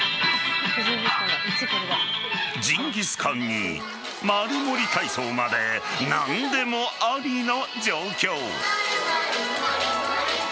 「ジンギスカン」にマルモリ体操まで何でもありの状況。